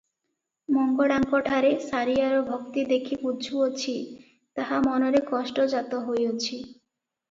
ମଙ୍ଗଳାଙ୍କଠାରେ ସାରିଆର ଭକ୍ତି ଦେଖି ବୁଝୁଅଛି, ତାହା ମନରେ କଷ୍ଟ ଜାତ ହୋଇଅଛି ।